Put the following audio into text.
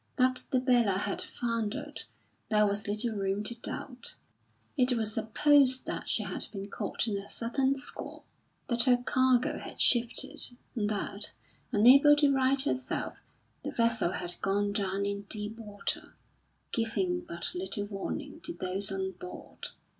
That the Bella had foundered there was little room to doubt. It was supposed that she had been caught in a sudden squall, that her cargo had shifted, and that, unable to right herself, the vessel had gone down in deep water, giving but little warning to those on board.